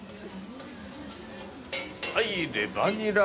はいレバニラ。